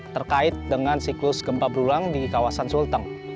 terkait dengan siklus gempa berulang di kawasan sulteng